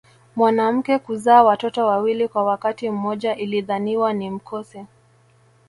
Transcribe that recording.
Mwanamke kuzaa watoto wawili kwa wakati mmoja ilidhaniwa ni mkosi